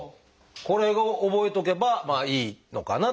これを覚えとけばまあいいのかなという。